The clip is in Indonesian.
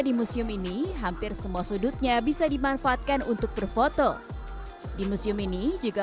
di museum ini hampir semua sudutnya bisa dimanfaatkan untuk berfoto di museum ini juga